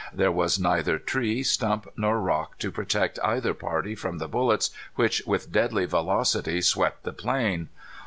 There was neither tree, stump, nor rock to protect either party from the bullets which with deadly velocity swept the plain.